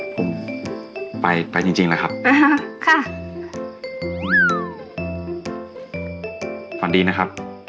ผมไปไปจริงจริงแล้วครับอ่าฮะค่ะ